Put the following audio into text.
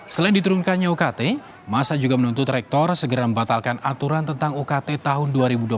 selain diturunkannya ukt masa juga menuntut rektor segera membatalkan aturan tentang ukt tahun dua ribu dua puluh satu